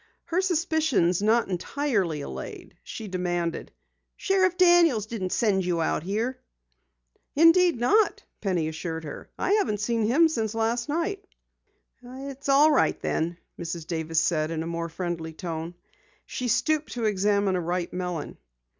Her suspicions not entirely allayed, she demanded: "Sheriff Daniels didn't send you out here?" "Indeed not," Penny assured her. "I haven't seen him since last night." "It's all right then," Mrs. Davis said in a more friendly tone. She stooped to examine a ripe melon.